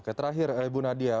oke terakhir ibu nadia